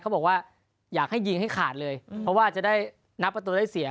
บอกว่าอยากให้ยิงให้ขาดเลยเพราะว่าจะได้นับประตูได้เสีย